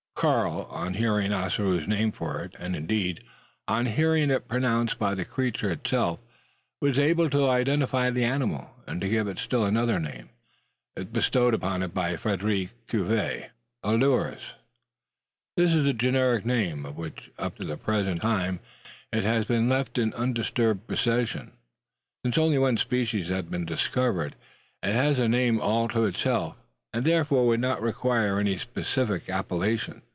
Karl, on hearing Ossaroo's name for it, and indeed, on hearing it pronounced by the creature itself, was able to identify the animal, and to give it still another name that which has been bestowed upon it by Frederick Cuvier ailurus. This is the generic name, of which, up to the present time, it has been left in undisturbed possession. Since only one species has been discovered, it has the name all to itself; and therefore would not require any specific appellation.